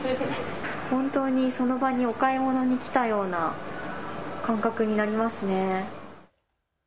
本当にその場にお買い物に来たような感覚になりますね。